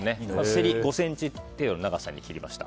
セリ、５ｃｍ程度の長さに切りました。